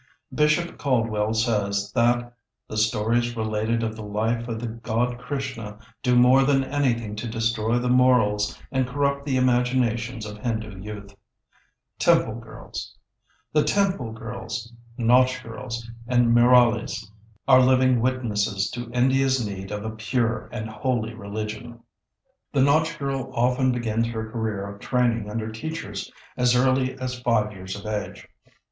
Bishop Caldwell says that "the stories related of the life of the god Krishna do more than anything to destroy the morals and corrupt the imaginations of Hindu youth." The temple girls, nautch girls, and muralis are living witnesses to India's need of a pure and holy religion. The nautch girl often begins her career of training under teachers as early as five years of age.